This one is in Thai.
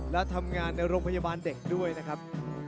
และทำงานในโรงพยาบาลเด็กด้วยนะครับ